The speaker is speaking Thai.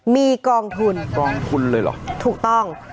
มีกองทุนกองทุนเลยเหรอถูกต้อง